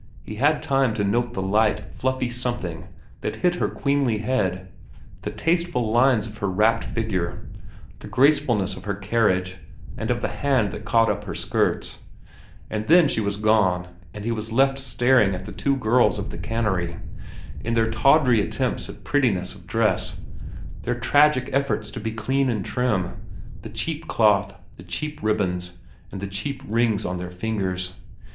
He had time to note the light, fluffy something that hid her queenly head, the tasteful lines of her wrapped figure, the gracefulness of her carriage and of the hand that caught up her skirts; and then she was gone and he was left staring at the two girls of the cannery, at their tawdry attempts at prettiness of dress, their tragic efforts to be clean and trim, the cheap cloth, the cheap ribbons, and the cheap rings on the fingers.